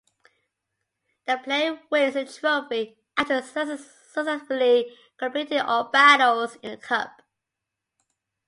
The player wins a trophy after successfully completing all battles in a Cup.